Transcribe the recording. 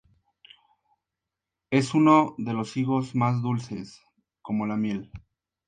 Es uno de los higos más dulces; como la miel.